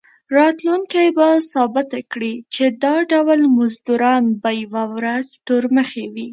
راتلونکي به ثابته کړي چې دا ډول مزدوران به یوه ورځ تورمخي وي.